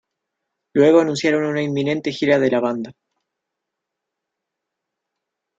Luego anunciaron una inminente gira de la banda.